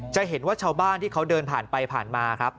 จะเห็นว่าชาวบ้านที่เขาเดินผ่านไปผ่านมาครับ